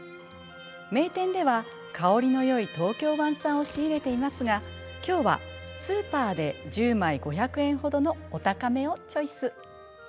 名店では香りのよい東京湾産を仕入れていますが、きょうはスーパーで１０枚５００円ほどのお高めをチョイス。